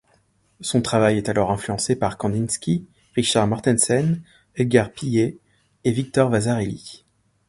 Son travail est alors influencé par Kandinsky, Richard Mortensen, Edgar Pillet et Victor Vasarely.